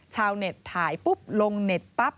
ชาวเน็ตถ่ายปุ๊บลงเน็ตปั๊บ